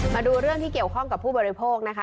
มาดูเรื่องที่เกี่ยวข้องกับผู้บริโภคนะคะ